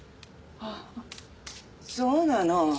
あっそうなの。